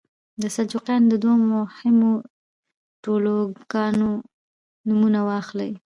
د سلجوقیانو د دوو مهمو ټولواکانو نومونه واخلئ.